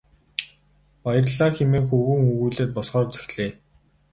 Баярлалаа хэмээн хөвгүүн өгүүлээд босохоор зэхлээ.